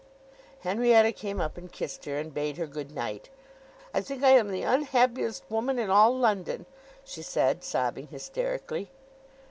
Henrietta came up and kissed her, and bade her good night. "I think I am the unhappiest woman in all London," she said, sobbing hysterically.